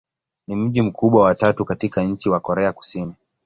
Ni mji mkubwa wa tatu katika nchi wa Korea Kusini.